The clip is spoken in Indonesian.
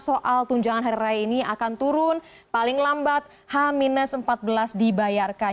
soal tunjangan hari raya ini akan turun paling lambat h empat belas dibayarkan